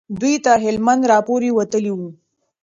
دوی تر هلمند را پورې وتلي وو.